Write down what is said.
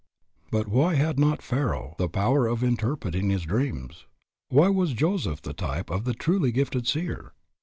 But why had not Pharaoh the power of interpreting his dreams? Why was Joseph the type of the "truly gifted seer?"